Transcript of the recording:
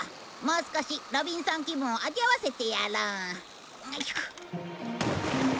もう少しロビンソン気分を味わわせてやろう。